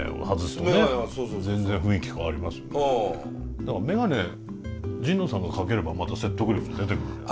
だから眼鏡神野さんがかければまた説得力も出てくんじゃない？